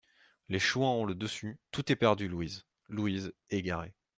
Les chouans ont le dessus, tout est perdu, Louise ! LOUISE, égarée.